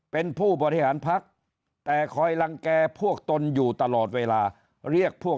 เป็นผู้บริหารพักแต่คอยรังแก่พวกตนอยู่ตลอดเวลาเรียกพวก